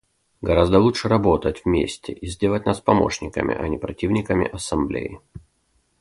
Гораздо лучше работать вместе и сделать нас помощниками, а не противниками Ассамблеи.